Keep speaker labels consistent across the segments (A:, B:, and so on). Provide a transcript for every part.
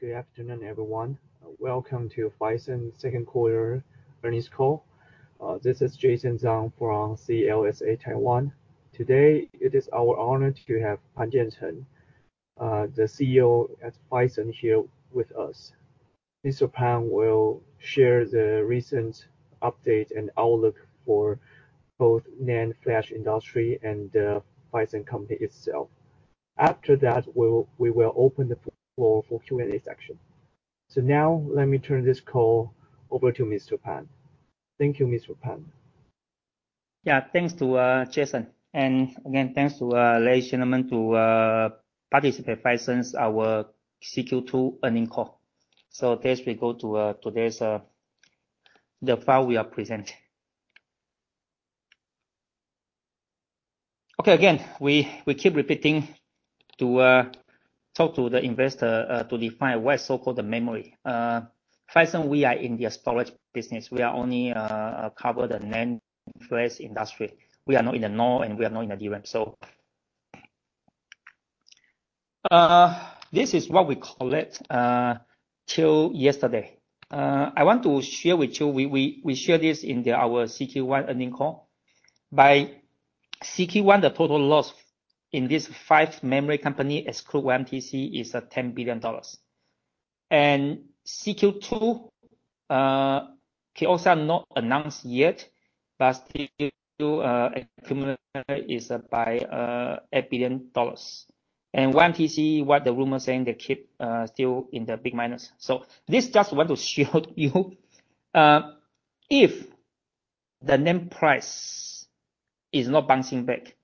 A: Good afternoon, everyone. Welcome to Phison's second quarter earnings call. This is Jason Tsang from CLSA Taiwan. Today, it is our honor to have Pan Jiancheng, the CEO at Phison, here with us. Mr. Pan will share the recent update and outlook for both NAND flash industry and Phison company itself. After that, we will, we will open the floor for Q&A section. Now, let me turn this call over to Mr. Pan. Thank you, Mr. Pan.
B: Yeah. Thanks to Jason, again, thanks to ladies and gentlemen, to participate Phison's our CQ2 earnings call. Next, we go to today's the file we are presenting. Okay, again, we, we keep repeating to talk to the investor to define what's so-called the memory. Phison, we are in the storage business. We are only cover the NAND flash industry. We are not in the NOR, we are not in the DRAM. This is what we call it till yesterday. I want to share with you, we, we, we share this in the our CQ1 earnings call. By CQ1, the total loss in this five memory company, exclude YMTC, is NT 10 billion. CQ2, Kioxia not announced yet, CQ2 accumulated loss is by NT 8 billion. YMTC, what the rumor saying, they keep still in the big minus. This just want to show you, if the NAND price is not bouncing back,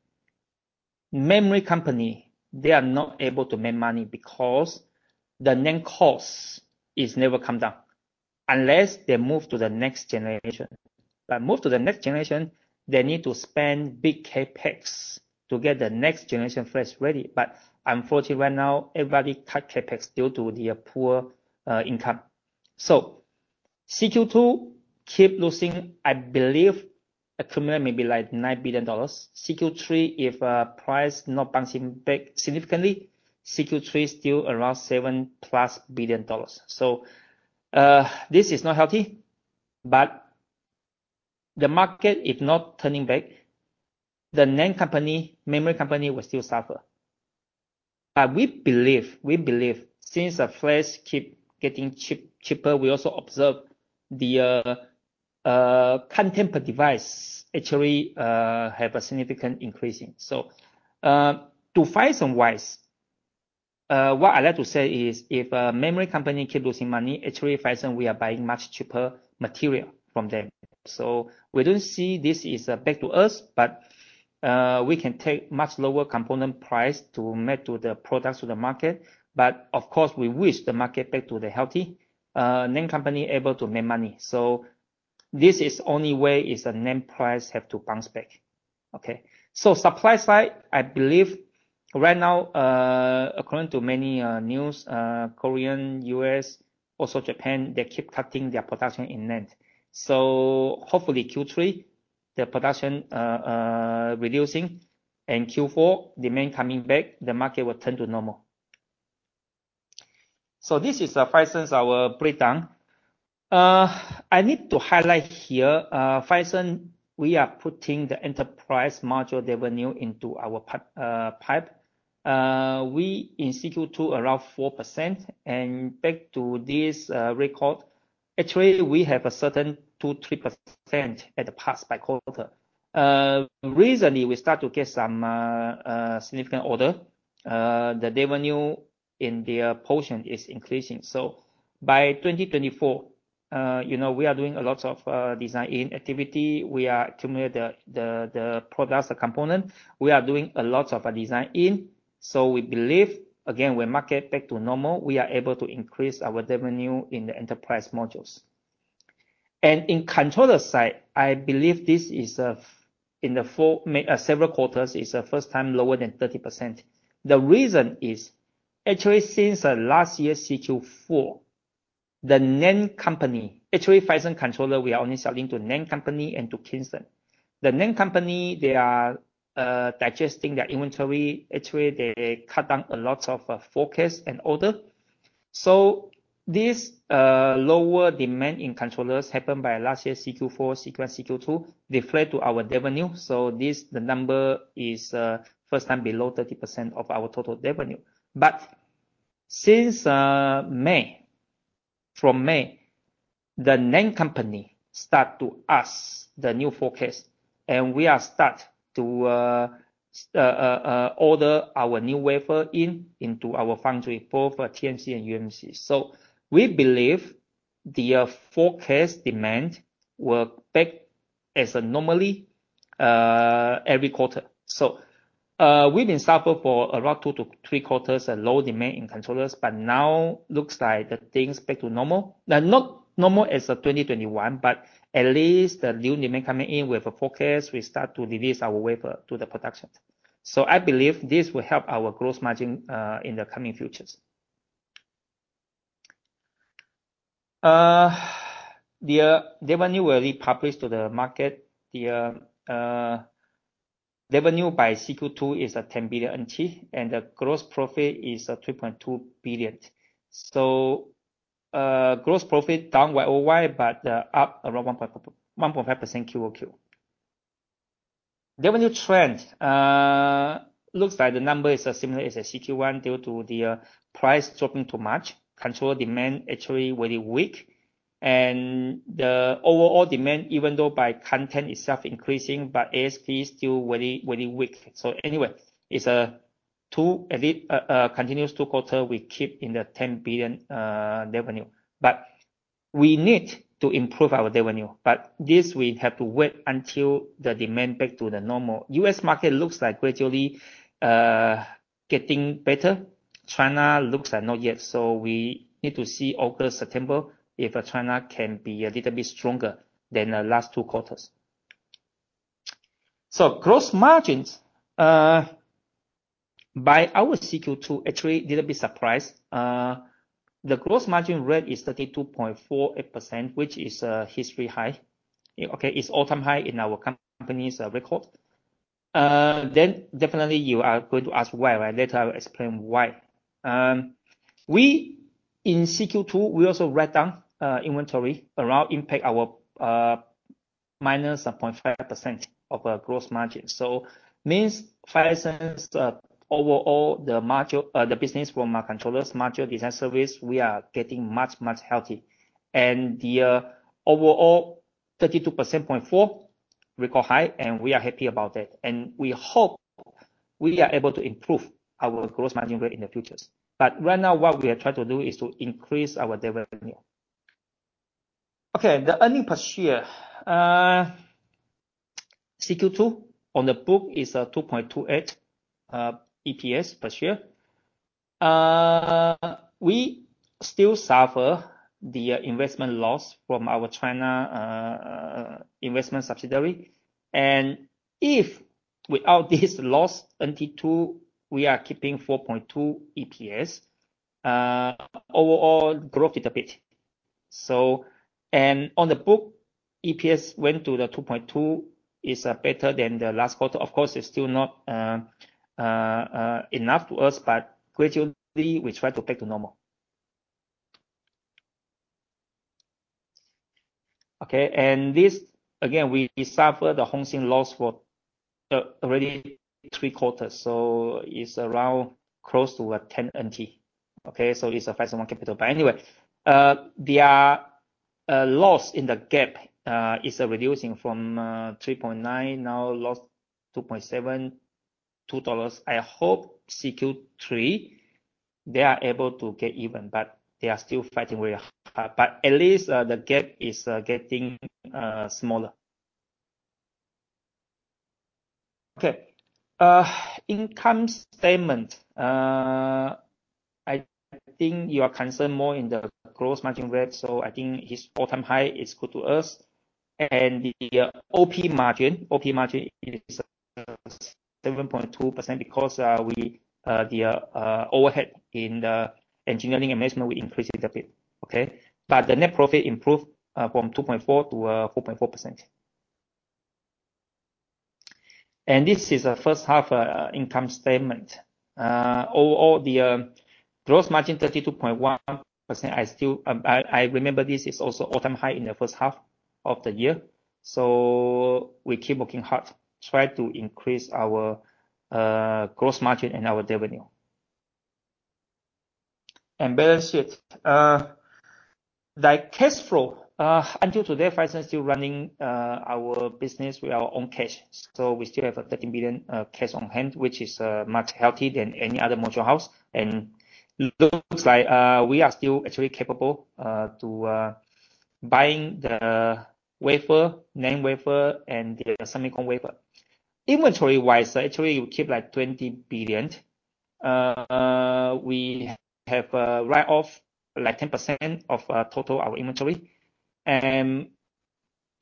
B: memory company, they are not able to make money because the NAND cost is never come down unless they move to the next generation. Move to the next generation, they need to spend big CapEx to get the next generation flash ready. Unfortunately, right now, everybody cut CapEx due to the poor income. CQ2 keep losing, I believe, accumulated maybe like $9 billion. CQ3, if price not bouncing back significantly, CQ3 is still around $7+ billion. This is not healthy, but the market is not turning back. The NAND company, memory company, will still suffer. We believe, we believe, since the flash keep getting cheap, cheaper, we also observe the contemporary device actually have a significant increasing. To Phison-wise, what I'd like to say is, if memory company keep losing money, actually, Phison, we are buying much cheaper material from them. We don't see this is bad to us, but we can take much lower component price to make to the products, to the market. Of course, we wish the market back to the healthy NAND company able to make money. This is only way, is the NAND price have to bounce back. Okay. Supply side, I believe right now, according to many news, Korean, U.S., also Japan, they keep cutting their production in NAND. Hopefully, Q3, the production reducing, and Q4, demand coming back, the market will return to normal. This is Phison's our breakdown. I need to highlight here, Phison, we are putting the enterprise module revenue into our pipe. We in CQ2 around 4%, and back to this record, actually, we have a certain 2%, 3% at the past by quarter. Recently, we start to get some significant order. The revenue in the portion is increasing. By 2024, you know, we are doing a lot of design-in activity. We are accumulate the, the, the products, the component. We are doing a lot of design-in, so we believe, again, when market back to normal, we are able to increase our revenue in the enterprise modules. In controller side, I believe this is in the 4 several quarters, is the first time lower than 30%. The reason is, actually, since last year, CQ4, the NAND company... Actually, Phison controller, we are only selling to NAND company and to Kingston. The NAND company, they are digesting their inventory. Actually, they cut down a lot of forecast and order. This lower demand in controllers happened by last year, CQ4, CQ1, CQ2, reflect to our revenue. This, the number is first time below 30% of our total revenue. Since May, from May, the NAND company start to ask the new forecast, and we are start to order our new wafer into our foundry, both for TSMC and UMC. We believe the forecast demand will back as normally every quarter. We've been suffer for around 2-3 quarters, a low demand in controllers, but now looks like the things back to normal. Not normal as of 2021, but at least the new demand coming in with a forecast, we start to release our wafer to the production. I believe this will help our gross margin in the coming futures. The revenue we already published to the market. The revenue by CQ2 is NT 10 billion, and the gross profit is NT 3.2 billion. Gross profit down YoY, but up around 1.0%-1.5% QoQ. Revenue trend looks like the number is similar as CQ1 due to the price dropping too much. Control demand actually very weak, the overall demand, even though by content itself increasing, but ASP is still very, very weak. Anyway, it's a two quarter we keep in the NT 10 billion revenue. We need to improve our revenue, but this we have to wait until the demand back to the normal. U.S. market looks like gradually getting better. China looks like not yet, we need to see October, September, if China can be a little bit stronger than the last two quarters. Gross margins by our CQ2, actually, little bit surprised. The gross margin rate is 32.48%, which is a history high. Okay, it's all-time high in our company's record. Definitely you are going to ask why, right? Later, I will explain why. We in CQ2, we also write down inventory around impact our -0.5% of gross margin. Means, Phison's overall, the module, the business from our controllers, module design service, we are getting much, much healthy. The overall 32.4% record high, and we are happy about that. We hope we are able to improve our gross margin rate in the futures. Right now, what we are trying to do is to increase our revenue. Okay, the earnings per share. CQ2 on the book is NT 2.28 EPS per share. We still suffer the investment loss from our China investment subsidiary. If without this loss, NT 2, we are keeping 4.2 EPS, overall growth a little bit. On the book, EPS went to the 2.2, is better than the last quarter. Of course, it's still not enough to us, but gradually, we try to back to normal. This, again, we suffer the Hongxin loss for already 3 quarters, so it's around close to NT 10. So it's a NT five someone capital. Anyway, their loss in the GAAP is reducing from NT 3.9, now loss NT 2.7, $2. I hope CQ3, they are able to get even, but they are still fighting very hard. At least, the GAAP is getting smaller. Income statement. I think you are concerned more in the gross margin rate, I think this all-time high is good to us. The OP margin, OP margin is 7.2% because we the overhead in the engineering and management, we increased it a bit, okay? The net profit improved from 2.4%-4.4%. This is a first half income statement. Overall, the gross margin, 32.1%, I still remember this is also all-time high in the first half of the year. We keep working hard, try to increase our gross margin and our revenue. Balance sheet. The cash flow, until today, Phison still running our business with our own cash. We still have a NT 13 billion cash on hand, which is much healthier than any other module house. Looks like we are still actually capable to buying the wafer, NAND wafer, and the semiconductor wafer. Inventory-wise, actually, we keep, like, NT 20 billion. We have write off, like, 10% of total our inventory.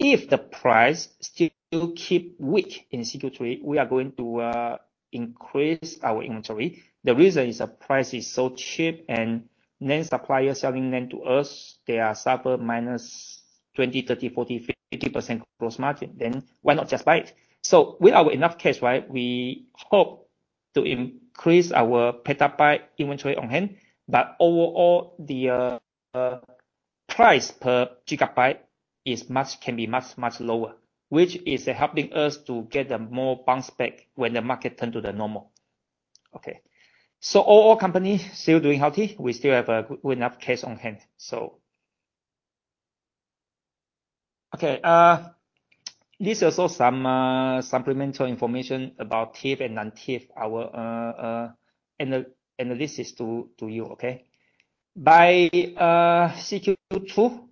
B: If the price still keep weak in CQ3, we are going to increase our inventory. The reason is the price is so cheap, and NAND supplier selling NAND to us, they are suffer -20%, 30%, 40%, 50% gross margin. Why not just buy it? With our enough cash, right, we hope to increase our petabyte inventory on hand. Overall, the price per gigabyte is much, much lower, which is helping us to get a more bounce back when the market turn to the normal. Overall company, still doing healthy. We still have enough cash on hand. This is also some supplemental information about T-IFRS and Non-T-IFRS, our analysis to you. By CQ2,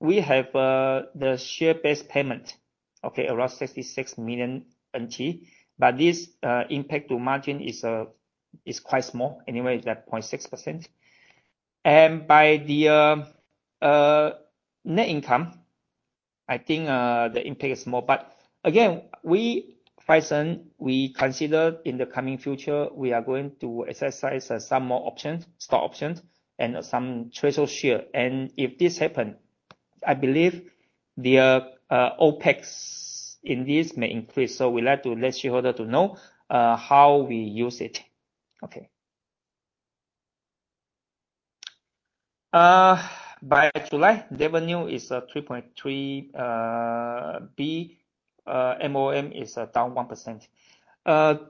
B: we have the share-based payment, around NT 66 million. This impact to margin is quite small. Anyway, it's like 0.6%. By the net income, I think the impact is more. Again, we, Phison, we consider in the coming future, we are going to exercise some more options, stock options, and some treasury share. If this happen, I believe the OpEx in this may increase. We like to let shareholder to know how we use it. Okay. By July, revenue is NT 3.3 billion, MOM is down 1%.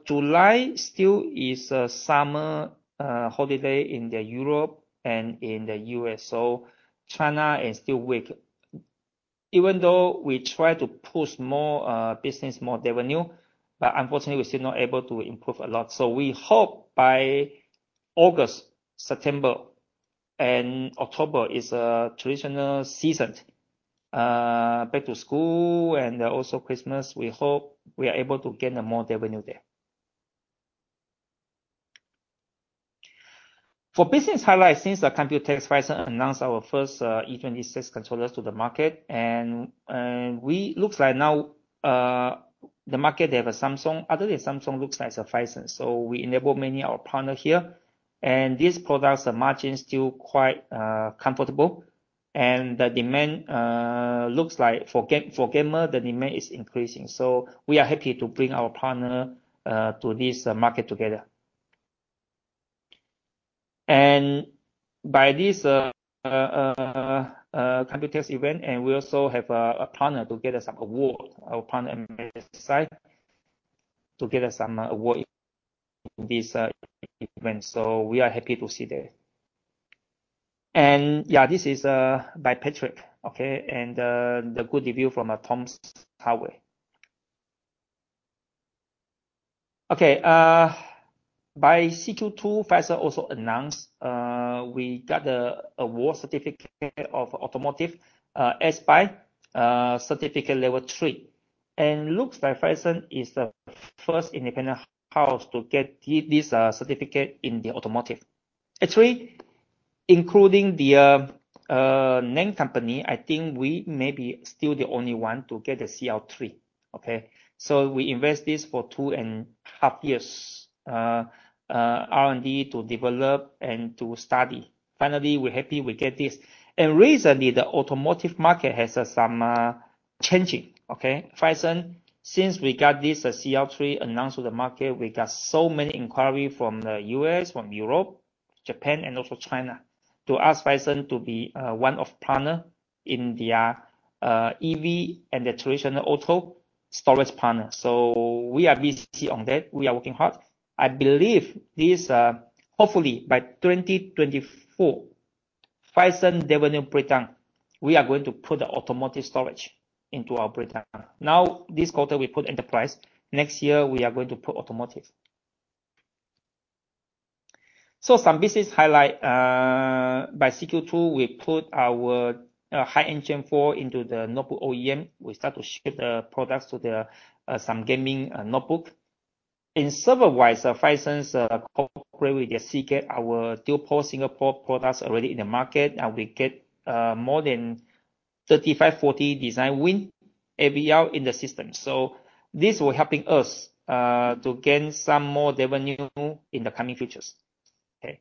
B: July still is a summer holiday in Europe and in the U.S., so China is still weak. Even though we try to push more business, more revenue, but unfortunately, we're still not able to improve a lot. We hope by August, September and October is a traditional season, back to school and also Christmas. We hope we are able to gain more revenue there. For business highlights, since COMPUTEX, Phison announced our first E26 controllers to the market, and looks like now the market, they have a Samsung. Other than Samsung, looks like Phison. We enable many our partner here, and these products, the margin is still quite comfortable, and the demand looks like for gamer, the demand is increasing. We are happy to bring our partner to this market together. By this Computex event, we also have a partner to get us award. Our partner AnandTech, to get us some award in this event. We are happy to see that. Yeah, this is by Patriot, okay? The good review from Tom's Hardware. Okay, by Q2, Phison also announced we got a award certificate of automotive ASPICE certificate Level 3. Looks like Phison is the first independent house to get this certificate in the automotive. Actually, including the name company, I think we may be still the only one to get a CL3. Okay? We invest this for 2.5 years R&D to develop and to study. Finally, we're happy we get this. Recently, the automotive market has some changing. Okay? Phison, since we got this CL3 announced to the market, we got so many inquiry from the U.S., from Europe, Japan, and also China, to ask Phison to be one of partner in their EV and the traditional auto storage partner. We are busy on that. We are working hard. I believe this, hopefully by 2024, Phison revenue breakdown, we are going to put the automotive storage into our breakdown. Now, this quarter, we put enterprise. Next year, we are going to put automotive. Some business highlight by CQ2, we put our high-end Gen4 into the notebook OEM. We start to ship the products to the some gaming notebook. In server wise, Phison's cooperate with the Seagate, our dual port single port products are already in the market, and we get more than 35, 40 design win AVL in the system. This will helping us to gain some more revenue in the coming futures. Okay.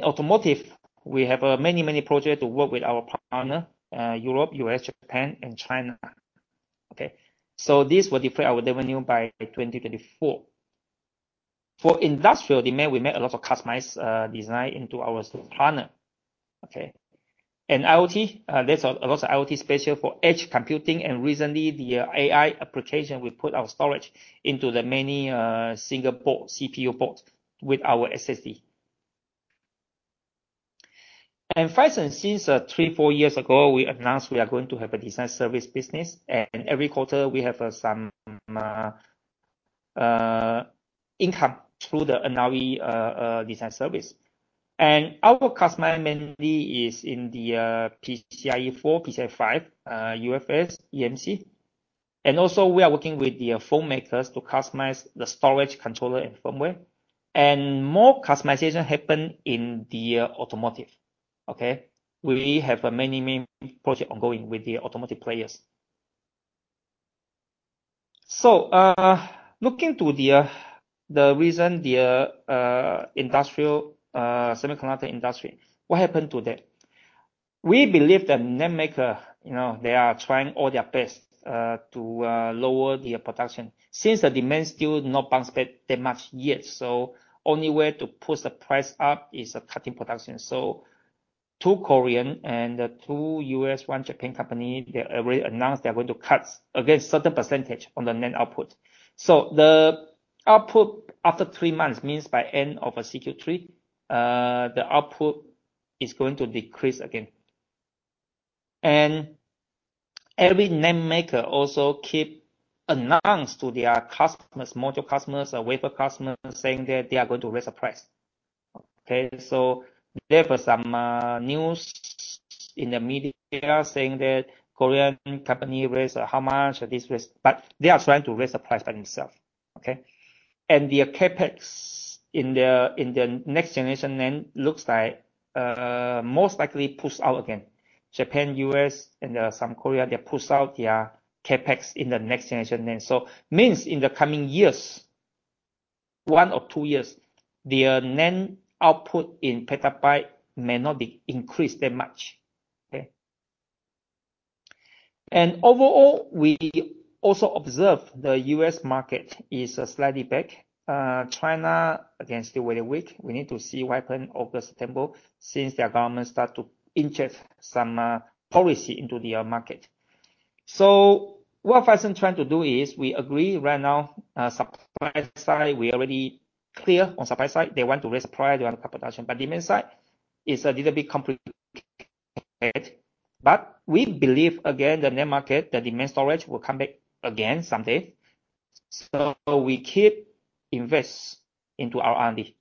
B: Automotive, we have many, many projects to work with our partner, Europe, U.S., Japan, and China. Okay, this will deploy our revenue by 2024. For industrial demand, we made a lot of customized design into our partner. Okay. IoT, there's a lot of IoT special for edge computing, and recently, the AI application, we put our storage into the many single port, CPU port with our SSD. Phison, since three, four years ago, we announced we are going to have a design service business, and every quarter, we have some income through the NRE design service. Our customer mainly is in the PCIe 4, PCIe 5, UFS, eMMC, and also we are working with the phone makers to customize the storage controller and firmware. More customization happen in the automotive. Okay? We have many, many project ongoing with the automotive players. Looking to the recent, the industrial semiconductor industry, what happened to that? We believe the NAND maker, you know, they are trying all their best to lower their production. Since the demand still not bounce back that much yet, only way to push the price up is cutting production. 2 Korean and 2 U.S., 1 Japanese company, they already announced they are going to cut against certain percentage on the NAND output. The output after 3 months, means by end of CQ3, the output is going to decrease again. Every NAND maker also keep announce to their customers, module customers, or wafer customers, saying that they are going to raise the price. Okay, there was some news in the media saying that Korean company raise how much, or this raise-- but they are trying to raise the price by themselves. Okay? Their CapEx in the next generation NAND looks like most likely pushed out again. Japan, U.S., and some Korea, they pushed out their CapEx in the next generation NAND. Means in the coming years, one or two years, their NAND output in petabyte may not be increased that much. Okay? Overall, we also observe the U.S. market is slightly back. China, again, still very weak. We need to see what happen August, September, since their government start to inject some policy into their market. What Phison trying to do is, we agree right now, supply side, we already clear on supply side. They want to raise price, they want to cut production. Demand side is a little bit complicated. We believe, again, the NAND market, the demand storage will come back again someday. We keep invest into our R&D.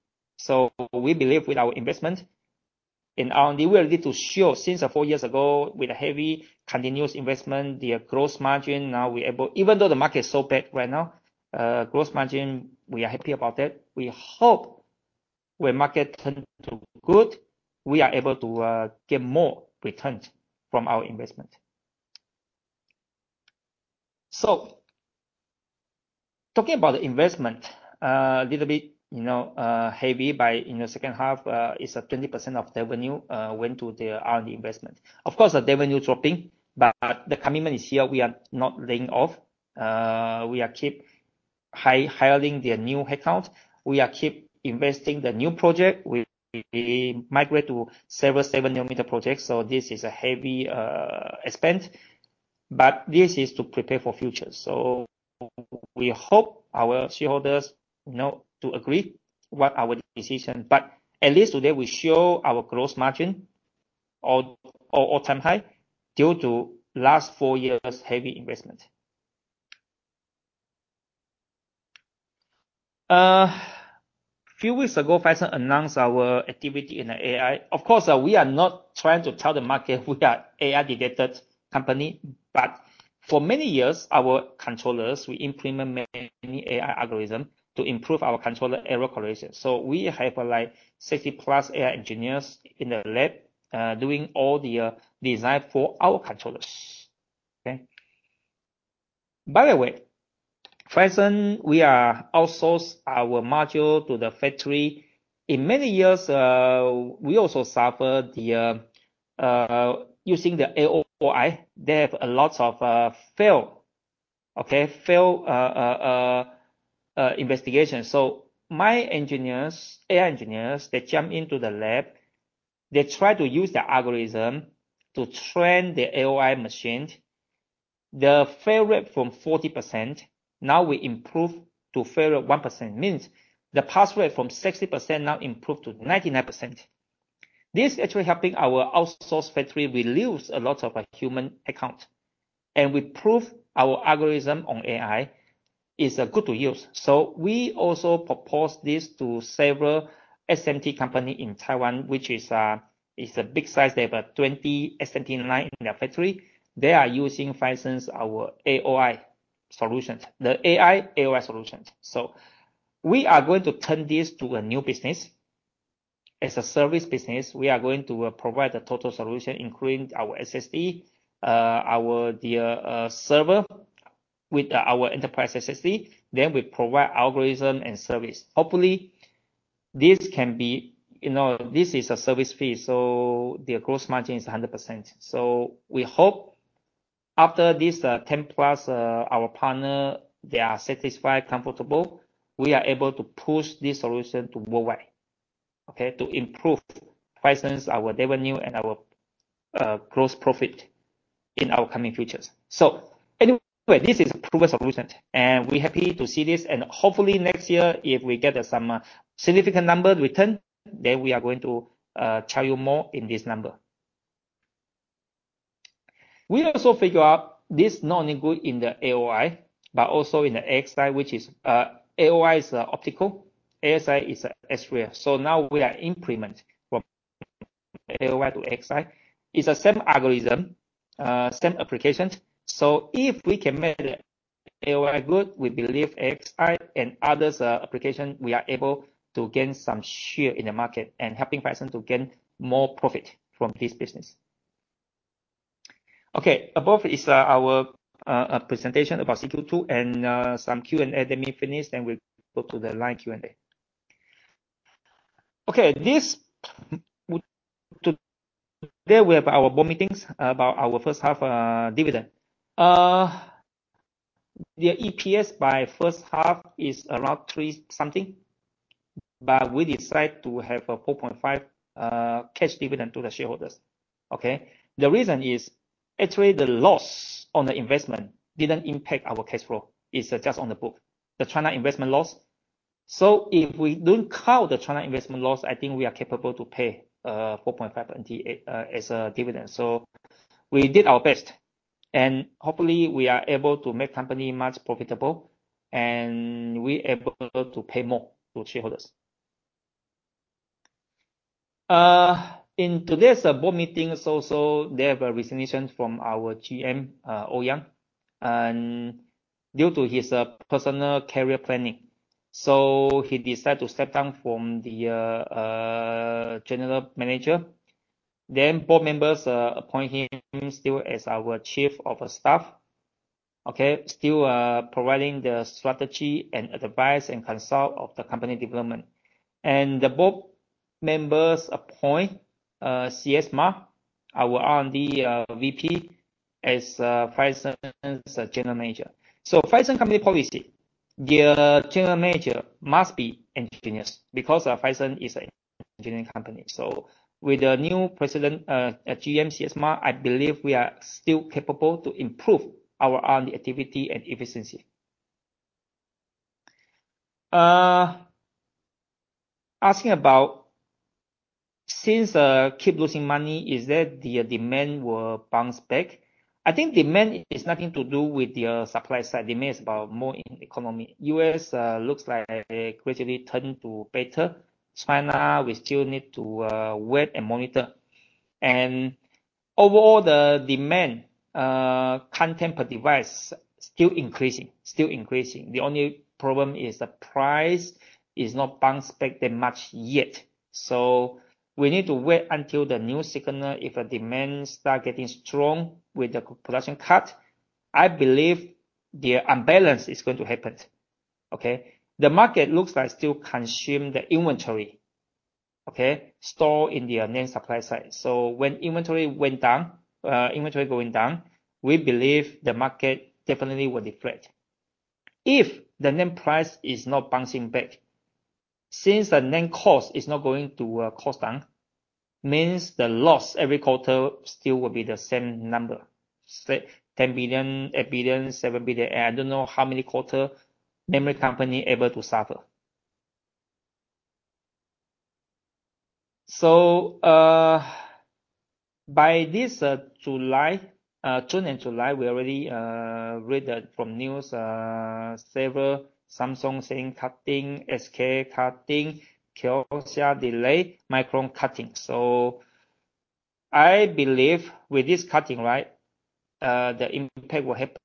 B: We believe with our investment in R&D, we are little sure, since four years ago, with a heavy continuous investment, their gross margin. Even though the market is so bad right now, gross margin, we are happy about that. We hope when market turn to good, we are able to get more returns from our investment. Talking about the investment, little bit, you know, heavy by in the second half, is 20% of revenue, went to the R&D investment. Of course, the revenue dropping, but the commitment is here. We are not laying off. We are keep hiring the new headcount. We are keep investing the new project. We migrate to several 7-nanometer projects, so this is a heavy expense, but this is to prepare for future. We hope our shareholders, you know, to agree what our decision. At least today, we show our gross margin all-time high due to last four years heavy investment. Few weeks ago, Phison announced our activity in the AI. Of course, we are not trying to tell the market we are AI-related company, but for many years, our controllers, we implement many AI algorithm to improve our controller error correction. We have, like, 60-plus AI engineers in the lab, doing all the design for our controllers. Okay? By the way, Phison, we are outsource our module to the factory. In many years, we also suffer the using the AOI. They have a lot of, fail, okay, fail, investigation. My engineers, AI engineers, they jump into the lab, they try to use the algorithm to train the AOI machine. The fail rate from 40%, now we improve to fail rate 1%. Means the pass rate from 60% now improve to 99%. This actually helping our outsource factory reduce a lot of, human headcount, and we prove our algorithm on AI is good to use. We also propose this to several SMT company in Taiwan, which is a big size. They have 20 SMT line in their factory. They are using Phison's, our AOI solutions, the AI AOI solutions. We are going to turn this to a new business. As a service business, we are going to provide a total solution, including our SSD, our, the, server with our enterprise SSD, then we provide algorithm and service. Hopefully, this can be. You know, this is a service fee, so the gross margin is 100%. We hope after this, 10+, our partner, they are satisfied, comfortable, we are able to push this solution to worldwide, okay? To improve Phison's, our revenue and our gross profit in our coming futures. Anyway, this is a proven solution, and we're happy to see this. Hopefully next year, if we get some significant number return, then we are going to tell you more in this number. We also figure out this not only good in the AOI, but also in the AXI, which is, AOI is optical, AXI is X-ray. Now we are implement from AOI to AXI. It's the same algorithm, same application. If we can make the AOI good, we believe AXI and others, application, we are able to gain some share in the market and helping Phison to gain more profit from this business. Okay, above is our presentation about CQ2, some Q&A. Let me finish, we'll go to the live Q&A. Okay, Today, we have our board meetings about our first half dividend. The EPS by first half is around NT three something, we decide to have a NT 4.5 cash dividend to the shareholders. Okay? The reason is, actually, the loss on the investment didn't impact our cash flow. It's just on the book, the China investment loss. If we don't count the China investment loss, I think we are capable to pay 4.5 as a dividend. We did our best, and hopefully, we are able to make company much profitable, and we are able to pay more to shareholders. In today's board meeting also, they have a resignation from our GM, Ouyang, and due to his personal career planning. He decided to step down from the general manager. Board members appoint him still as our chief of staff. Okay? Still, providing the strategy and advice, and consult of the company development. The board members appoint CS Ma, our R&D VP, as Phison's general manager. Phison company policy, the general manager must be engineers, because Phison is an engineering company. With the new president, GM, CS Ma, I believe we are still capable to improve our R&D activity and efficiency. Asking about, since keep losing money, is that the demand will bounce back? I think demand is nothing to do with the supply side. Demand is about more in economy. U.S. looks like gradually turning to better. China, we still need to wait and monitor. Overall, the demand content per device still increasing. Still increasing. The only problem is the price is not bounce back that much yet. We need to wait until the new signal, if the demand start getting strong with the production cut, I believe the unbalance is going to happen. Okay? The market looks like still consume the inventory, okay, store in the NAND supply side. When inventory went down, inventory going down, we believe the market definitely will deflate. If the NAND price is not bouncing back, since the NAND cost is not going to cost down, means the loss every quarter still will be the same number. Say, $10 billion, $8 billion, $7 billion. I don't know how many quarter memory company able to suffer. By this July, June and July, we already read that from news, several Samsung saying cutting, SK cutting, Kioxia delay, Micron cutting. I believe with this cutting, right, the impact will happen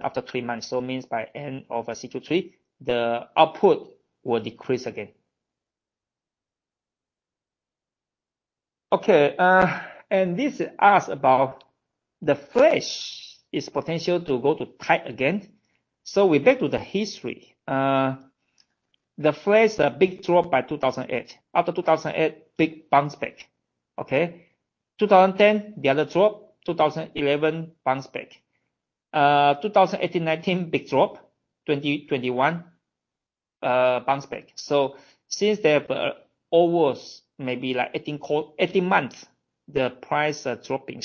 B: after three months. Means by end of Q3, the output will decrease again. Okay, this asks about the flash, its potential to go to tight again. We back to the history. The flash, a big drop by 2008. After 2008, big bounce back. Okay. 2010, the other drop, 2011, bounce back. 2018, 2019, big drop. 2021, bounce back. Since there were almost maybe like 18 months, the prices are dropping.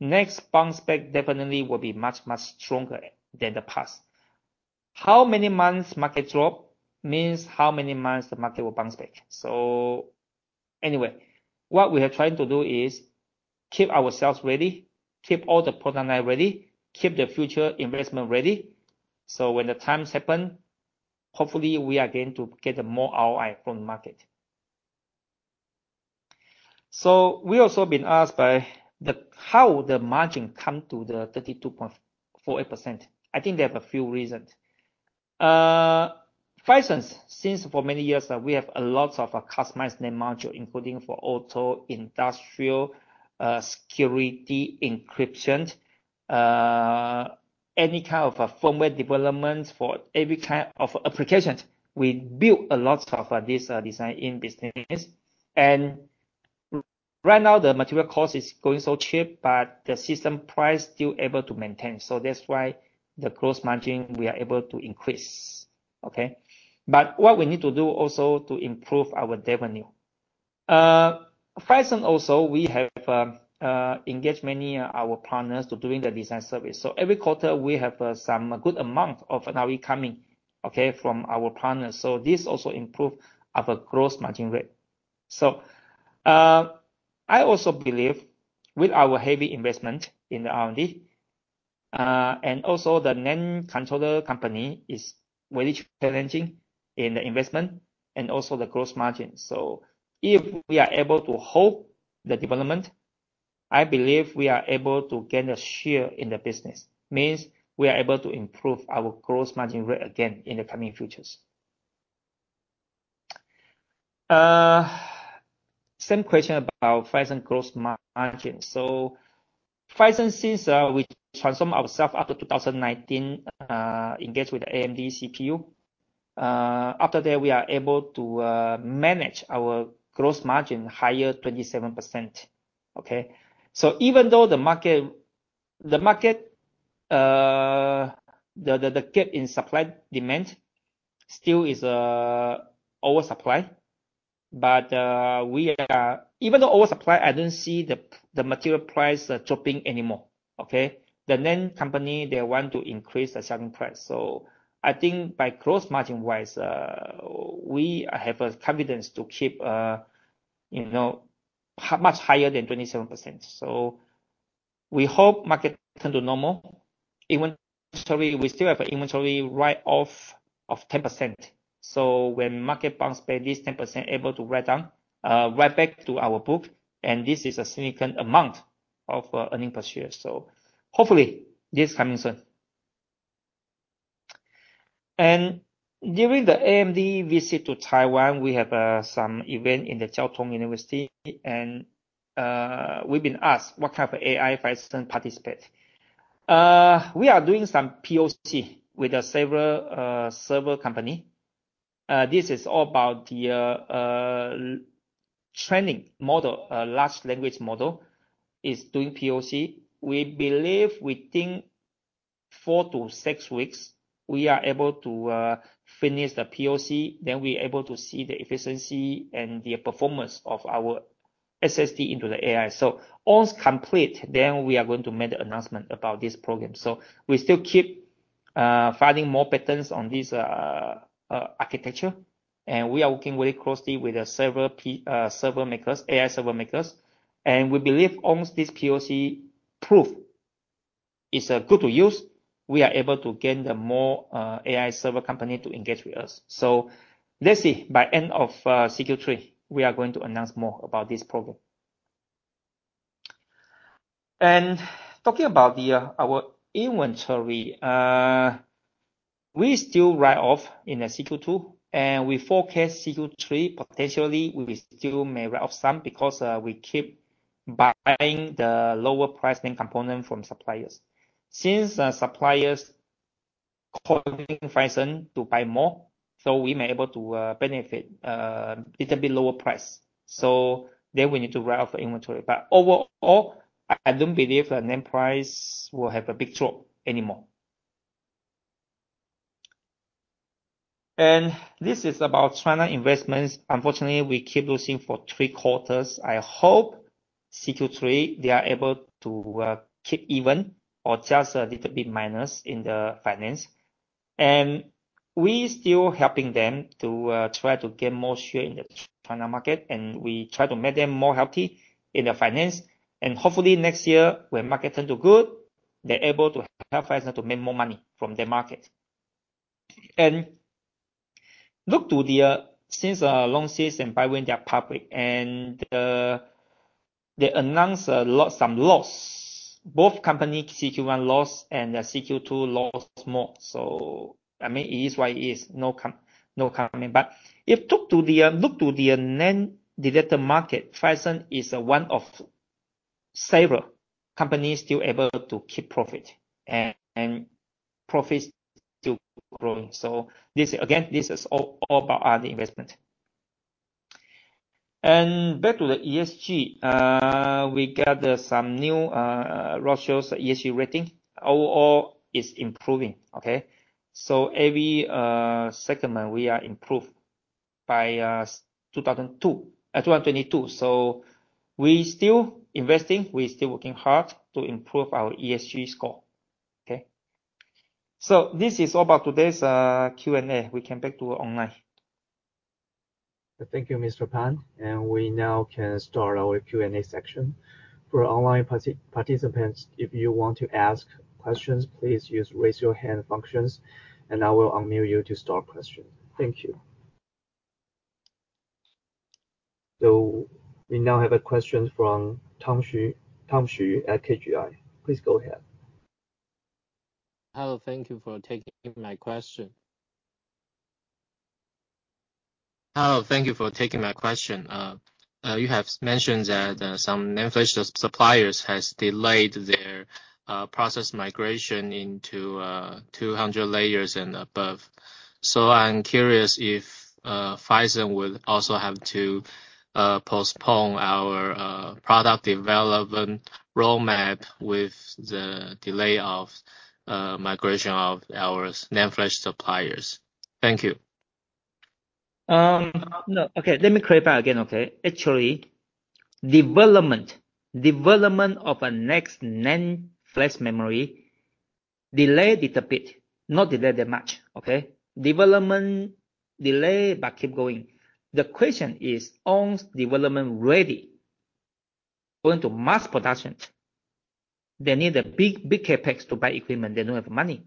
B: Next bounce back definitely will be much, much stronger than the past. How many months market drop means how many months the market will bounce back. Anyway, what we are trying to do is keep ourselves ready, keep all the product line ready, keep the future investment ready, so when the times happen, hopefully we are going to get more ROI from the market. We also been asked by the, how the margin come to the 32.48%. I think there are a few reasons. Phison, since for many years, we have a lot of customized NAND module, including for auto, industrial, security, encryption, any kind of firmware development for every kind of applications. We build a lot of this design in business. Right now, the material cost is going so cheap, but the system price still able to maintain. That's why the gross margin, we are able to increase. Okay? What we need to do also to improve our revenue. Phison also, we have engaged many our partners to doing the design service. Every quarter we have some good amount of revenue coming, okay, from our partners. This also improve our gross margin rate. I also believe with our heavy investment in the R&D, and also the NAND controller company is very challenging in the investment and also the gross margin. If we are able to hold the development, I believe we are able to gain a share in the business. Means we are able to improve our gross margin rate again in the coming futures. Same question about Phison gross margin. Phison, since we transformed ourselves after 2019, engaged with AMD CPU, after that, we are able to manage our gross margin higher, 27%. Okay? Even though the market, the market, the, the, the gap in supply, demand still is oversupply. Even though oversupply, I don't see the material price dropping anymore, okay? The NAND company, they want to increase the selling price. I think by gross margin-wise, we have the confidence to keep, you know, much higher than 27%. We hope market return to normal. Inventory, we still have an inventory write-off of 10%. When market bounce back, this 10% able to write down, write back to our book, and this is a significant amount of EPS. Hopefully, this coming soon. During the AMD visit to Taiwan, we have some event in the Chiao Tung University, and we've been asked what type of AI Phison participate. We are doing some POC with a several server company. This is all about the training model. A large language model is doing POC. We believe within four to six weeks, we are able to finish the POC, then we're able to see the efficiency and the performance of our SSD into the AI. Once complete, then we are going to make the announcement about this program. We still keep filing more patents on this architecture, and we are working very closely with the server makers, AI server makers, and we believe once this POC proof is good to use, we are able to gain the more AI server company to engage with us. Let's see. By end of Q3, we are going to announce more about this program. Talking about our inventory, we still write off in the Q2, and we forecast Q3, potentially we will still may write off some because we keep buying the lower pricing component from suppliers. Since the suppliers calling Phison to buy more, so we may able to benefit little bit lower price. We need to write off the inventory. Overall, I, I don't believe the NAND price will have a big drop anymore. This is about China investments. Unfortunately, we keep losing for 3 quarters. I hope Q3, they are able to keep even or just a little bit minus in the finance. We still helping them to try to gain more share in the Ch-China market, and we try to make them more healthy in the finance. Hopefully next year, when market turn to good, they're able to help Phison to make more money from the market. Look to the Since Longsys and BIWIN, they are public, and they announced some loss. Both company, CQ1 lost and the CQ2 lost more. I mean, it is what it is. No comment. If talk to the look to the NAND related market, Phison is one of several companies still able to keep profit, and profits still growing. This, again, this is all about other investment. Back to the ESG, we gather some new ratios, ESG rating. Overall, it's improving, okay? Every segment we are improved by 2002, 2022. We still investing, we're still working hard to improve our ESG score. Okay? This is all about today's Q&A. We can back to online.
A: Thank you, Mr. Pan. We now can start our Q&A section. For online participants, if you want to ask questions, please use raise your hand functions, and I will unmute you to start question. Thank you. We now have a question from Tom Hsu, Tom Hsu at KGI. Please go ahead.
C: Hello, thank you for taking my question. Hello, thank you for taking my question. You have mentioned that some NAND flash suppliers has delayed their process migration into 200 layers and above. So I'm curious if Phison would also have to postpone our product development roadmap with the delay of migration of our NAND flash suppliers. Thank you.
B: No. Okay, let me clear back again, okay? Actually, development, development of a next NAND flash memory delayed it a bit, not delayed that much, okay? Development delayed, but keep going. The question is, once development ready, going to mass production, they need a big, big CapEx to buy equipment, they don't have money.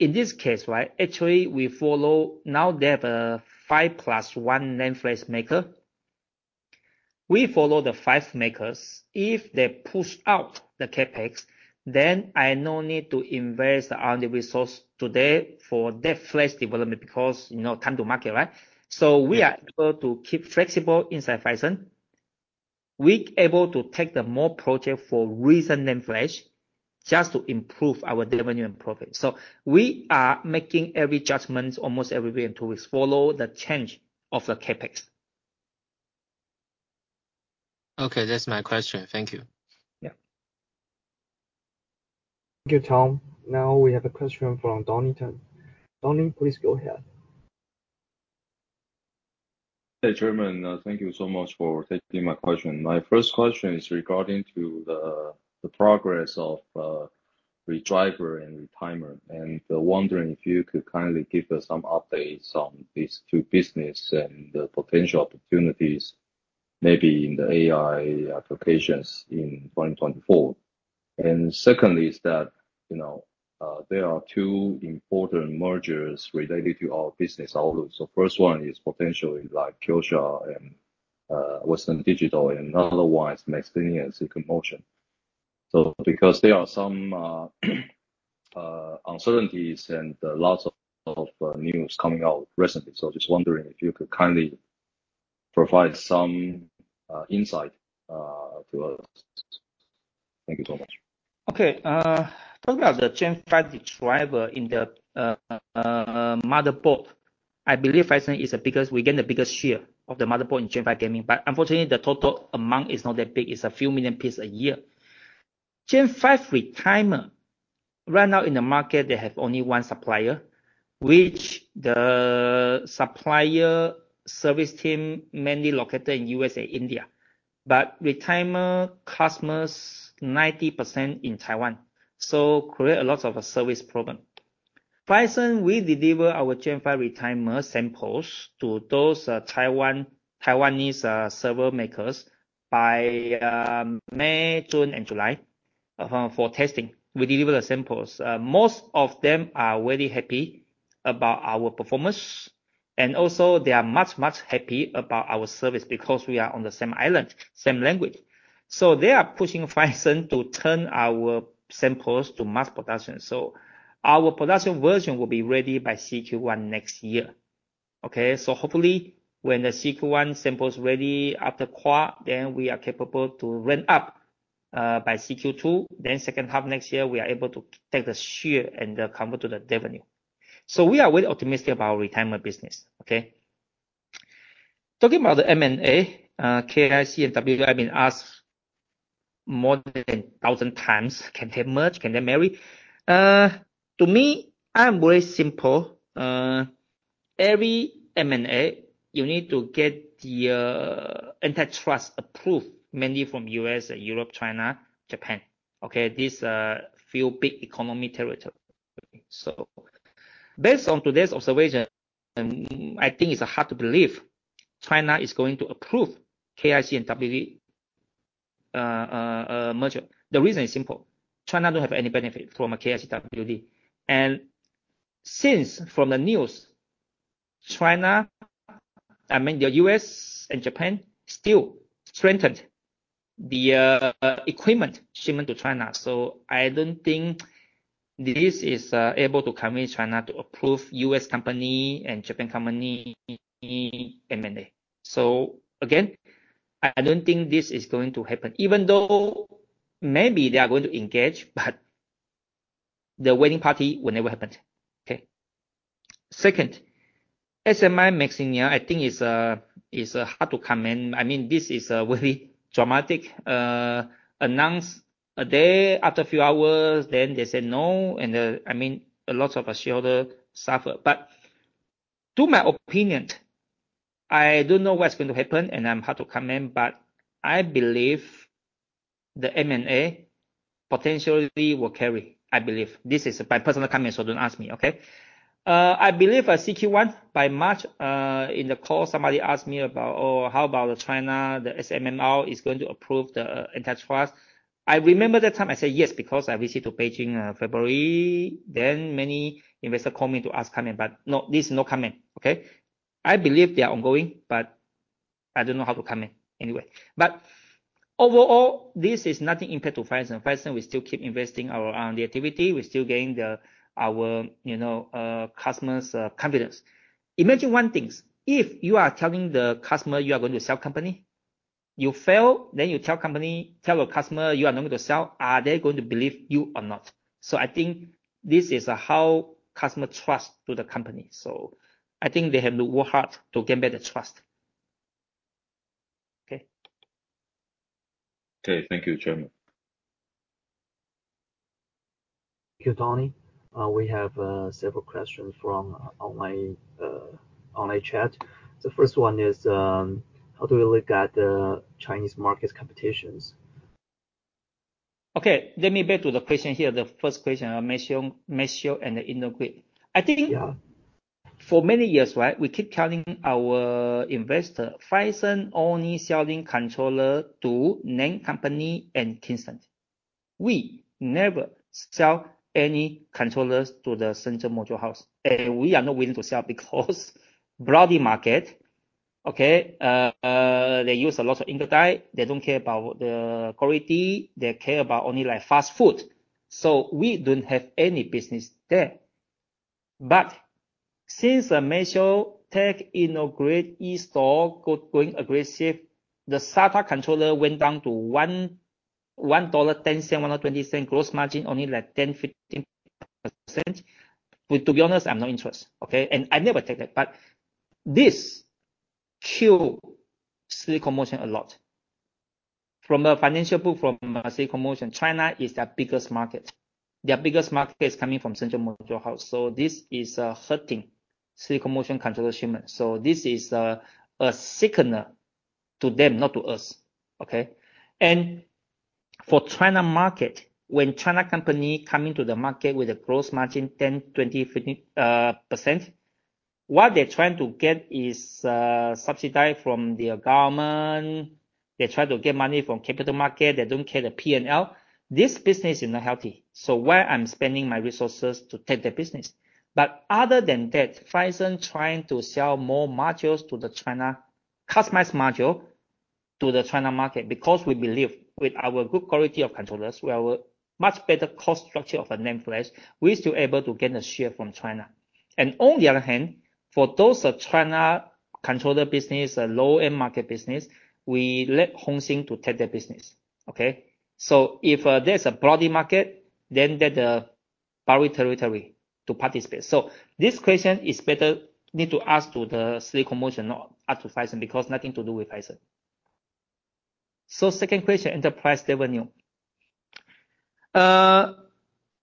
B: In this case, right, actually, we follow... Now, they have a 5 plus 1 NAND flash maker. We follow the 5 makers. If they push out the CapEx, then I no need to invest on the resource today for that flash development because, you know, time to market, right? We are able to keep flexible inside Phison. We able to take the more project for recent NAND flash, just to improve our revenue and profit. We are making every judgment, almost every week, to follow the change of the CapEx.
C: Okay, that's my question. Thank you.
B: Yeah.
A: Thank you, Tom. We have a question from Donnie Teng. Donnie Teng, please go ahead.
D: Hey, Chairman, thank you so much for taking my question. My first question is regarding to the, the progress of redriver and retimer, and wondering if you could kindly give us some updates on these two business and the potential opportunities, maybe in the AI applications in 2024. Secondly, is that, you know, there are two important mergers related to our business outlook. First one is potentially like Kioxia and Western Digital, and otherwise, MaxLinear and Silicon Motion. Because there are some uncertainties and lots of news coming out recently. Just wondering if you could kindly provide some insight to us. Thank you so much.
B: Okay. Talking about the Gen 5 driver in the motherboard, I believe Phison is the biggest. We gain the biggest share of the motherboard in Gen 5 gaming. Unfortunately, the total amount is not that big. It's a few million pieces a year. Gen 5 retimer, right now in the market, they have only one supplier, which the supplier service team mainly located in U.S. and India. Retimer customers, 90% in Taiwan, create a lot of service problem. Phison, we deliver our Gen 5 retimer samples to those Taiwan, Taiwanese server makers by May, June and July for testing. We deliver the samples. Most of them are very happy about our performance. Also they are much, much happy about our service because we are on the same island, same language. They are pushing Phison to turn our samples to mass production. Our production version will be ready by CQ1 next year. Okay, hopefully when the CQ1 sample is ready after quarter, then we are capable to ramp up by CQ2, then second half next year, we are able to take the share and convert to the revenue. We are very optimistic about our retimer business. Okay? Talking about the M&A, KIC and WD, I've been asked more than 1,000 times, can they merge? Can they marry? To me, I'm very simple. Every M&A, you need to get the antitrust approved, mainly from U.S., Europe, China, Japan. Okay, these few big economy territory. Based on today's observation, I think it's hard to believe China is going to approve KIC and WD merger. The reason is simple: China don't have any benefit from a Kioxia, WD. Since from the news, China, I mean, the U.S. and Japan still strengthened the equipment shipment to China. I don't think this is able to convince China to approve U.S. company and Japan company M&A. Again, I, I don't think this is going to happen, even though maybe they are going to engage, but the wedding party will never happen. Okay. Second, SMI, MaxLinear, I think is hard to comment. I mean, this is a very dramatic announce. A day, after a few hours, then they say, "No," I mean, a lot of our shareholders suffer. To my opinion, I don't know what's going to happen, and I'm hard to comment, but I believe the M&A potentially will carry, I believe. This is my personal comment, so don't ask me, okay? I believe at CQ1, by March, in the call, somebody asked me about, oh, how about China? The SAMR is going to approve the antitrust. I remember that time, I said yes, because I visit to Beijing, February. Many investors call me to ask comment, but no, this is no comment, okay? I believe they are ongoing, but I don't know how to comment anyway. Overall, this is nothing impact to Phison. Phison, we still keep investing our, the activity. We're still getting the-- our, you know, customers, confidence. Imagine one thing, if you are telling the customer you are going to sell company, you fail, then you tell company-- tell your customer you are going to sell, are they going to believe you or not? I think this is how customer trust to the company. I think they have to work hard to gain back the trust. Okay.
D: Okay. Thank you, Chairman.
A: Thank you, Donnie. We have several questions from online, online chat. The first one is, how do we look at the Chinese market competitions?
B: Okay, let me back to the question here, the 1st question, Maxio, Maxio and the InnoGrit.
A: Yeah.
B: I think for many years, right, we keep telling our investor, Phison, only selling controller to NAND company and Kingston. We never sell any controllers to the central module house, we are not willing to sell because bloody market, okay? They use a lot of inventory, they don't care about the quality, they care about only, like, fast food. We don't have any business there. Since the Maxio tech InnoGrit, YEESTOR going aggressive, the SATA controller went down to $1.10, $1.20, gross margin, only like 10%-15%. To be honest, I'm not interested, okay? I never take that. This kill Silicon Motion a lot. From a financial point, from a Silicon Motion, China is their biggest market. Their biggest market is coming from Central Module House. This is hurting Silicon Motion controller shipment. This is a signal to them, not to us, okay? For China market, when China company coming to the market with a gross margin, 10%, 20%, 50%, what they're trying to get is subsidized from their government. They try to get money from capital market. They don't care the PNL. This business is not healthy. Why I'm spending my resources to take their business? Other than that, Phison trying to sell more modules to the China, customized module to the China market, because we believe with our good quality of controllers, we have a much better cost structure of a NAND flash, we still able to gain a share from China. On the other hand, for those of China controller business, low-end market business, we let Hongxin to take their business, okay. If there's a broady market, then that Barry territory to participate. This question is better need to ask to the Silicon Motion, not up to Phison, because nothing to do with Phison. Second question, enterprise revenue.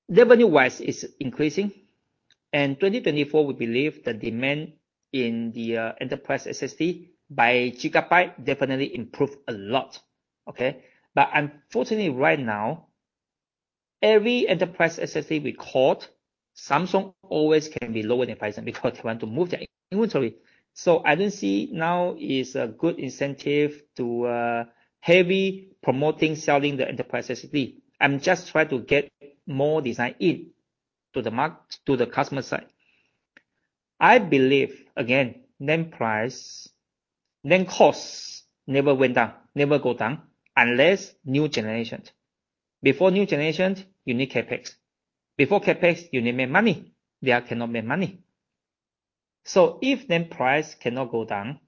B: Revenue-wise, it's increasing, and 2024, we believe the demand in the enterprise SSD by gigabyte definitely improve a lot, okay. Unfortunately, right now, every enterprise SSD we caught, Samsung always can be lower than Phison because they want to move their inventory. I don't see now is a good incentive to heavy promoting, selling the enterprise SSD. I'm just trying to get more design in to the customer side. I believe, again, NAND price, NAND costs never went down, never go down, unless new generation. Before new generation, you need CapEx. Before CapEx, you need make money. They are cannot make money. If NAND price cannot go down,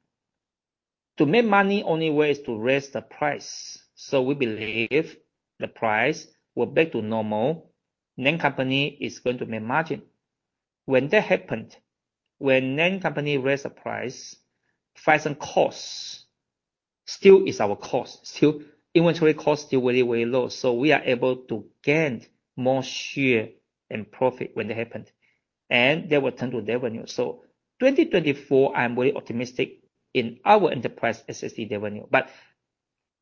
B: to make money, only way is to raise the price. We believe if the price will back to normal, NAND company is going to make margin. When that happened, when NAND company raise the price, Phison costs still is our cost. Still, inventory cost still very, very low, so we are able to gain more share and profit when that happened, and that will turn to revenue. 2024, I'm very optimistic in our enterprise SSD revenue, but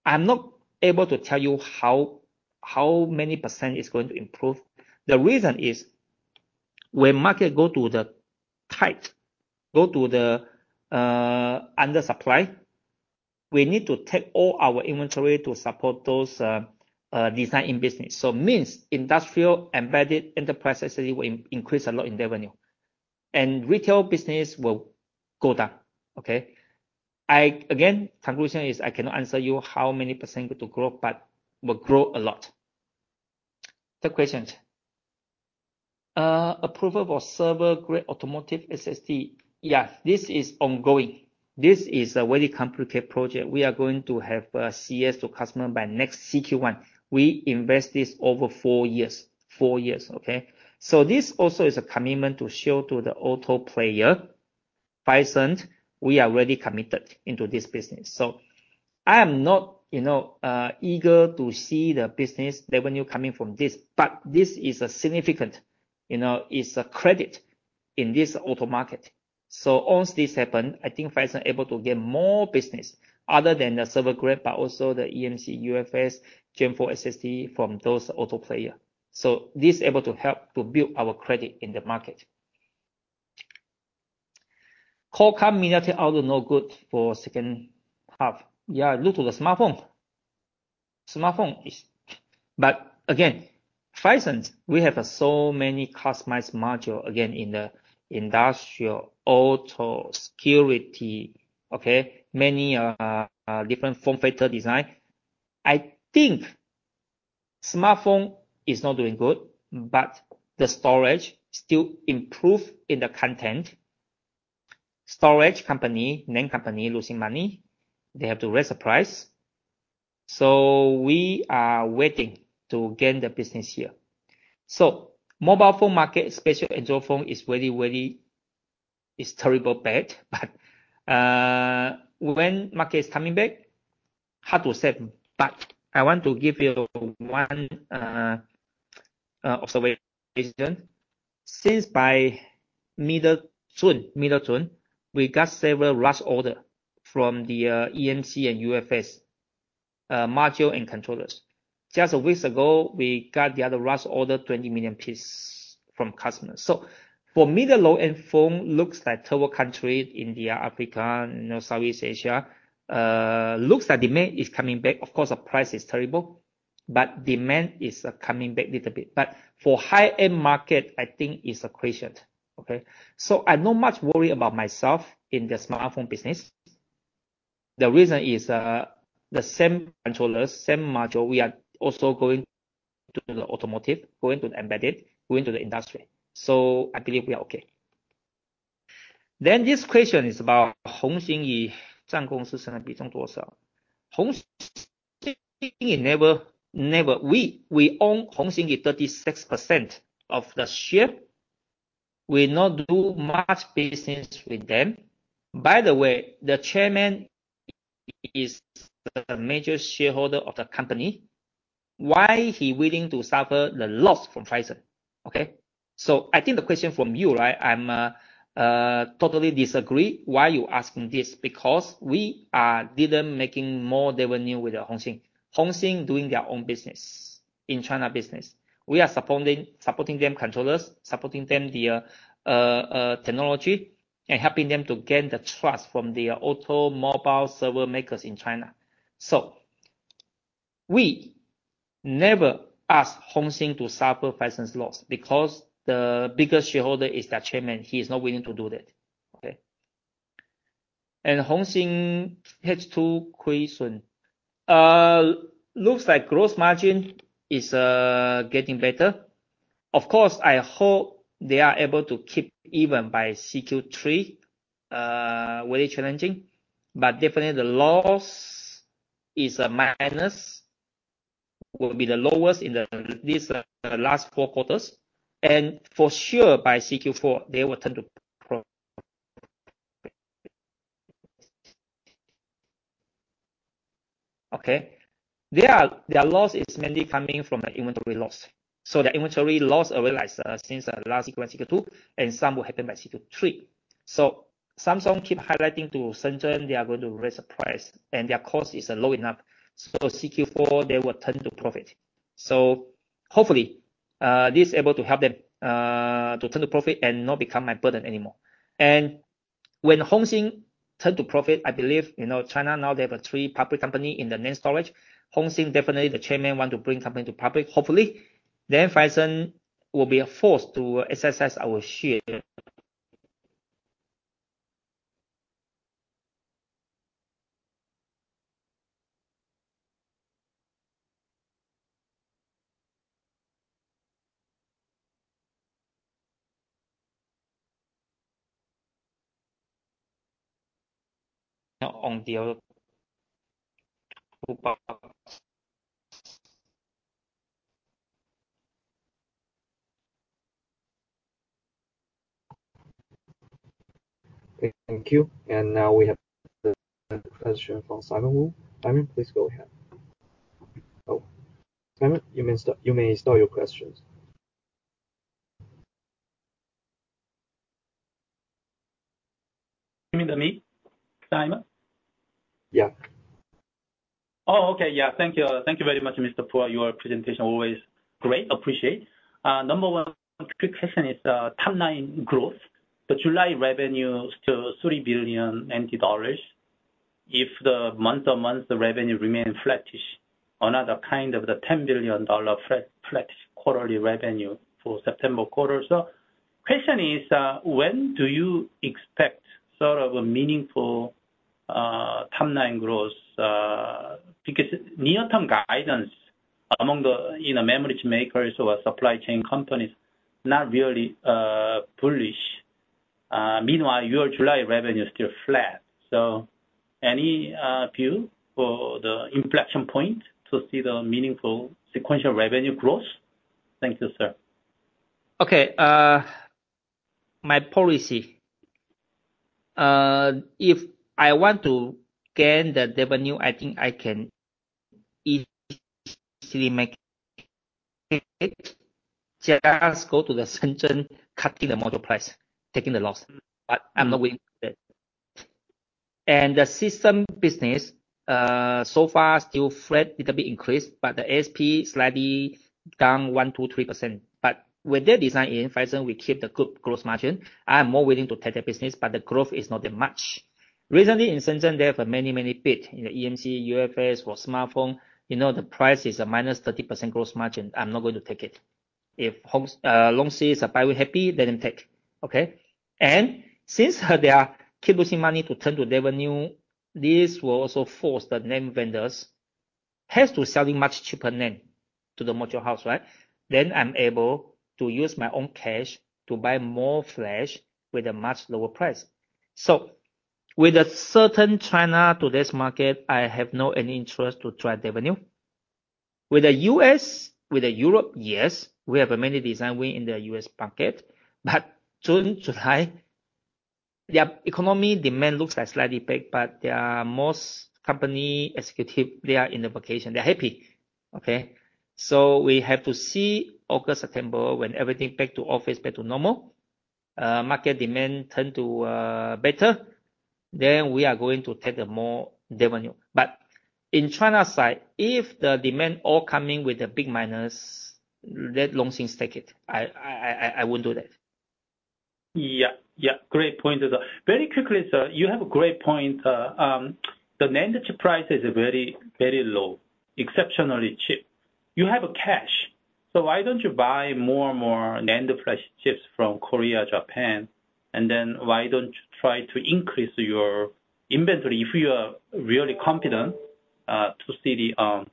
B: I'm not able to tell you how, how many percent is going to improve. The reason is, when market go to the tight, go to the under supply, we need to take all our inventory to support those design in business. Means industrial, embedded, enterprise SSD will increase a lot in revenue, and retail business will go down. Okay? Again, conclusion is I cannot answer you how many percent go to grow, but will grow a lot. Third questions. Approval for server-grade automotive SSD. Yeah, this is ongoing. This is a very complicated project. We are going to have CS to customer by next CQ1. We invest this over 4 years. 4 years, okay? This also is a commitment to show to the auto player, Phison, we are already committed into this business. I am not, you know, eager to see the business revenue coming from this, but this is a significant, you know, it's a credit in this auto market. Once this happen, I think Phison able to get more business other than the server grade, but also the eMMC, UFS, Gen4 SSD from those auto player. This able to help to build our credit in the market. Call community auto no good for second half. Yeah, due to the smartphone. Smartphone is... Again, Phison, we have so many customized module, again, in the industrial, auto, security, okay? Many different form factor design. I think smartphone is not doing good, but the storage still improve in the content. Storage company, NAND company, losing money, they have to raise the price. We are waiting to gain the business here. Mobile phone market, especially Android phone, is very, very terrible bad, but when market is coming back, hard to say, but I want to give you one observation. Since by middle June, middle June, we got several rush order from the eMMC and UFS module and controllers. Just a week ago, we got the other rush order, 20 million pieces from customers. For middle, low-end phone, looks like third world country, India, Africa, you know, Southeast Asia, looks like demand is coming back. Of course, the price is terrible, but demand is coming back little bit. For high-end market, I think it's a question, okay? I'm not much worried about myself in the smartphone business. The reason is, the same controllers, same module, we are also going to the automotive, going to the embedded, going to the industry. I believe we are okay. This question is about Hongxin. We own Hongxin 36% of the share. We not do much business with them. By the way, the chairman is the major shareholder of the company. Why he willing to suffer the loss from Phison? Okay. I think the question from you, right, I'm totally disagree why you asking this, because we are didn't making more revenue with the Hongxin. Hongxin doing their own business, in China business. We are supporting them, controllers, supporting them their technology, and helping them to gain the trust from their auto, mobile, server makers in China. We never asked Hongxin to suffer Phison's loss, because the biggest shareholder is the chairman. He is not willing to do that. Okay? Hongxin H2 question. Looks like gross margin is getting better. Of course, I hope they are able to keep even by CQ3, very challenging, but definitely the loss is a minus, will be the lowest in these last four quarters, and for sure, by CQ4, they will turn to pro. Okay. Their loss is mainly coming from the inventory loss. The inventory loss realized since last CQ2, and some will happen by CQ3. Samsung keep highlighting to Shenzhen they are going to raise the price, and their cost is low enough, CQ4, they will turn to profit. Hopefully, this able to help them to turn to profit and not become my burden anymore. When Hongxin turn to profit, I believe, you know, China, now they have a three public company in the NAND storage. Hongxin, definitely the chairman want to bring company to public. Hopefully, then Phison will be forced to assess our share. Now on the other…
A: Thank you. Now we have the question from Simon Wu. Simon, please go ahead. Oh, Simon, you may start your questions.
E: You mean to me, Simon?
A: Yeah.
E: Okay. Thank you. Thank you very much, Mr. Pua. Your presentation always great. Appreciate. Number one quick question is top-line growth. The July revenue is still NT 3 billion. If the month-on-month, the revenue remain flattish, another kind of the NT 10 billion flattish quarterly revenue for September quarter. Question is, when do you expect sort of a meaningful top-line growth? Because near-term guidance among the, you know, memory makers or supply chain companies, not really bullish. Meanwhile, your July revenue is still flat. Any view for the inflection point to see the meaningful sequential revenue growth? Thank you, sir.
B: Okay, my policy, if I want to gain the revenue, I think I can easily make it. Just go to the Shenzhen, cutting the module price, taking the loss. I'm not willing to do that. The system business, so far still flat, little bit increased, but the SP slightly down 1%-3%. With their design in Phison, we keep the good growth margin. I am more willing to take their business, but the growth is not that much. Recently, in Shenzhen, they have many, many bid in the eMMC, UFS or smartphone. You know, the price is a -30% gross margin. I'm not going to take it. If Longsys and BIWIN are happy, let them take. Okay? Since they are keep losing money to turn to revenue, this will also force the NAND vendors has to selling much cheaper NAND to the module house, right? I'm able to use my own cash to buy more flash with a much lower price. With a certain China, today's market, I have no any interest to try revenue. With the U.S., with the Europe, yes, we have a many design win in the U.S. market, but June, July, their economy demand looks like slightly back, but there are most company executive, they are in the vacation, they're happy, okay? We have to see August, September, when everything back to office, back to normal, market demand turn to better, then we are going to take a more revenue. In China side, if the demand all coming with a big minus, let Longsys take it. I won't do that.
E: Yeah, yeah. Great point. Very quickly, sir, you have a great point. The NAND chip price is very, very low, exceptionally cheap. You have a cash, so why don't you buy more and more NAND flash chips from Korea, Japan? Then why don't you try to increase your inventory if you are really confident, to see the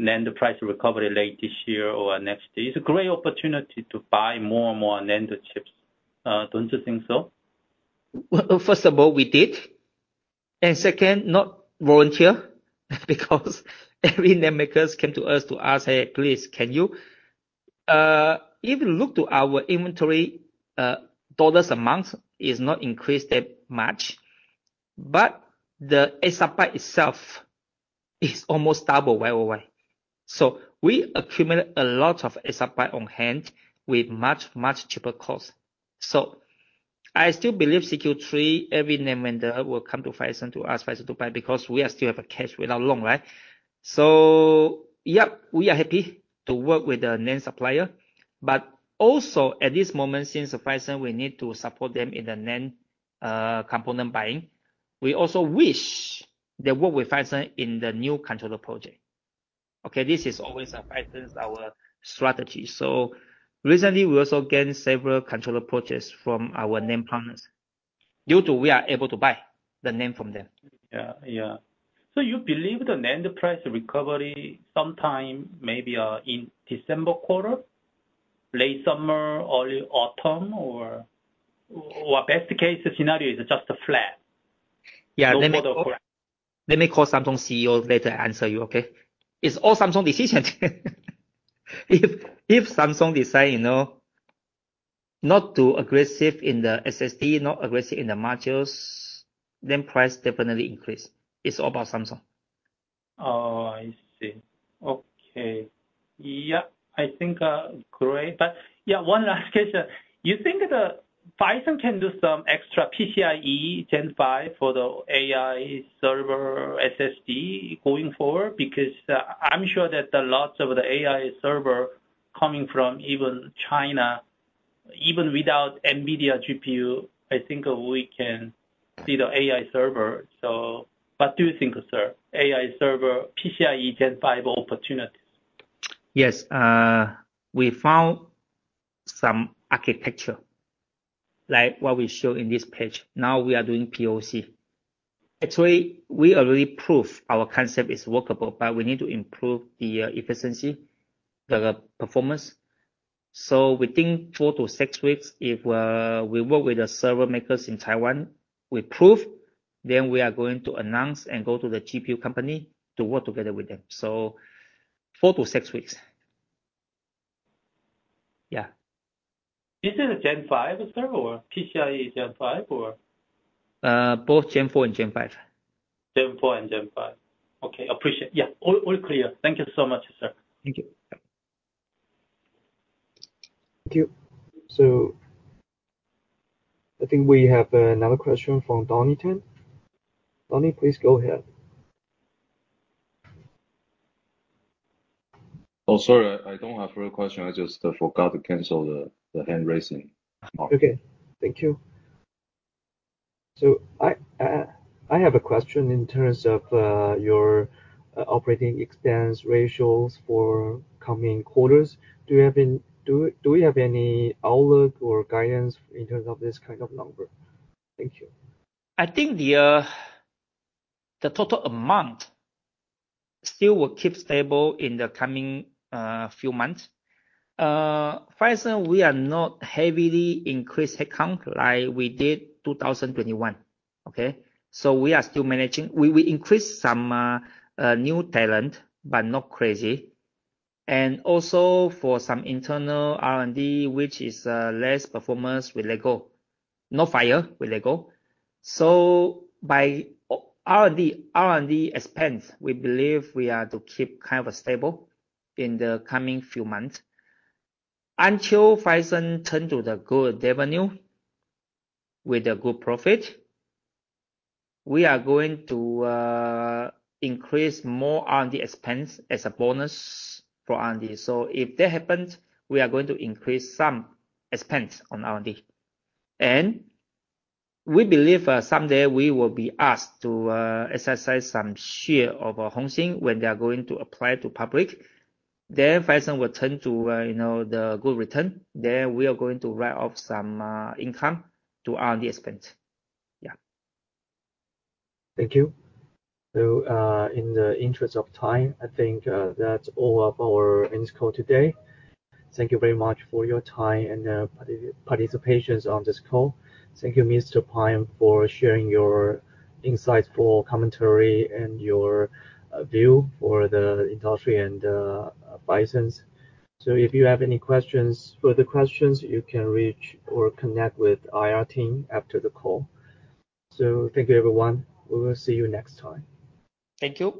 E: NAND price recovery late this year or next year? It's a great opportunity to buy more and more NAND chips. Don't you think so?
B: Well, first of all, we did. Second, not volunteer, because every NAND makers came to us to ask, "Hey, please, can you?" If you look to our inventory, dollars a month is not increased that much. The ASP itself is almost double right away. We accumulate a lot of ASP on hand with much, much cheaper cost. I still believe CQ3, every NAND vendor will come to Phison to ask Phison to buy, because we are still have a cash without loan, right? Yep, we are happy to work with the NAND supplier, but also at this moment, since Phison, we need to support them in the NAND component buying. We also wish they work with Phison in the new controller project. Okay, this is always Phison's our strategy. Recently, we also gained several controller projects from our NAND partners, due to we are able to buy the NAND from them.
E: Yeah. Yeah. You believe the NAND price recovery sometime maybe in December quarter, late summer, early autumn, or, or best case scenario is just a flat?
B: Yeah.
E: No photo, correct.
B: Let me call Samsung CEO later answer you, okay? It's all Samsung decision. If, if Samsung decide, you know, not too aggressive in the SSD, not aggressive in the modules, then price definitely increase. It's all about Samsung.
E: Oh, I see. Okay. Yeah, I think, great. Yeah, one last question: You think the Phison can do some extra PCIe Gen 5 for the AI server SSD going forward? Because, I'm sure that the lots of the AI server coming from even China, even without Nvidia GPU, I think we can see the AI server. Do you think, sir, AI server, PCIe Gen 5 opportunities?
B: Yes, we found some architecture, like what we show in this page. Now we are doing POC. Actually, we already proved our concept is workable, but we need to improve the efficiency, the performance. Within four to six weeks, if we work with the server makers in Taiwan, we prove, then we are going to announce and go to the GPU company to work together with them. Four to six weeks. Yeah.
E: This is a Gen 5, sir, or PCIe Gen 5, or?
B: Both Gen 4 and Gen 5.
E: Gen4 and Gen 5. Okay, appreciate. Yeah, all, all clear. Thank you so much, sir.
B: Thank you.
A: Thank you. I think we have another question from Donnie Teng. Donnie, please go ahead.
D: Oh, sorry, I don't have further question. I just forgot to cancel the, the hand raising.
A: Okay, thank you. I have a question in terms of your operating expense ratios for coming quarters. Do we have any outlook or guidance in terms of this kind of number? Thank you.
B: I think the total amount still will keep stable in the coming few months. First then, we are not heavily increased headcount like we did 2021, okay? We are still managing. We, we increased some new talent, but not crazy. Also for some internal R&D, which is less performance, we let go. No fire, we let go. By R&D, R&D expense, we believe we are to keep kind of stable in the coming few months. Until Phison turn to the good revenue with a good profit, we are going to increase more R&D expense as a bonus for R&D. If that happens, we are going to increase some expense on R&D. We believe, someday we will be asked to exercise some share of Hongxin when they are going to apply to public, then Phison will turn to, you know, the good return, then we are going to write off some income to R&D expense. Yeah.
A: Thank you. In the interest of time, I think that's all of our ends call today. Thank you very much for your time and participations on this call. Thank you, Mr. Pua, for sharing your insights, for commentary and your view for the industry and Phison's. If you have any questions, further questions, you can reach or connect with IR team after the call. Thank you, everyone. We will see you next time.
B: Thank you.